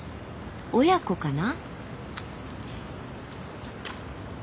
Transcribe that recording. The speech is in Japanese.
親子かな？